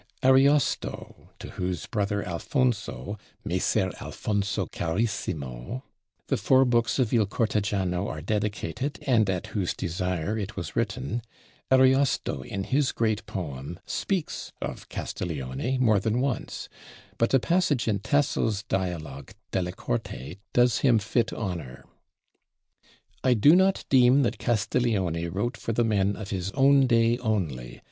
Ariosto to whose brother Alfonso, "Messer Alfonso carissimo," the four books of 'Il Cortegiano' are dedicated and at whose desire it was written Ariosto in his great poem speaks of Castiglione more than once; but a passage in Tasso's dialogue 'Della Corte' does him fit honor: "I do not deem that Castiglione wrote for the men of his own day only